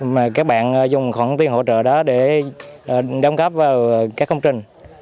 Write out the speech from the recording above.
mà các bạn dùng khoản tiền hỗ trợ đó để đồng cấp vào các công trình